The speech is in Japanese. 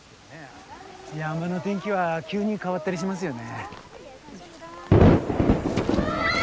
山の天気は急に変わったりしますよね。